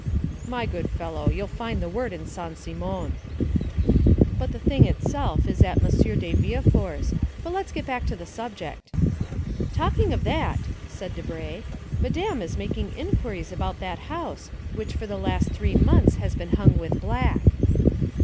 "My good fellow, you'll find the word in Saint Simon." "But the thing itself is at M. de Villefort's; but let's get back to the subject." "Talking of that," said Debray, "Madame was making inquiries about that house, which for the last three months has been hung with black."